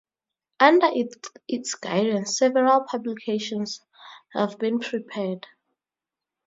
Under its guidance several publications have been prepared.